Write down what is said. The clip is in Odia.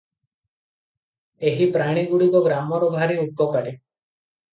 ଏହି ପ୍ରାଣୀଗୁଡ଼ିକ ଗ୍ରାମର ଭାରି ଉପକାରୀ ।